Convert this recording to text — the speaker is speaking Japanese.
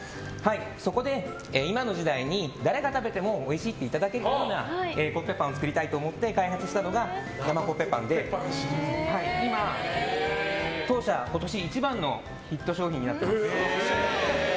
そこで今の時代に誰が食べてもおいしいといっていただけるコッペパンを作りたいと開発したのが生コッペパンで当社、今年一番のヒット商品になってます。